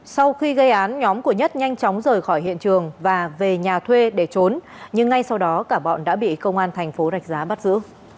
sau khi gây án nhóm của nhất nhanh chóng rời khỏi hiện trường và về nhà thuê để trốn nhưng ngay sau đó cả bọn đã bị công an thành phố rạch giá bắt giữ